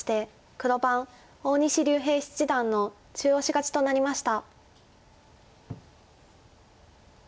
黒番大西竜平七段の中押し勝ちとなりました。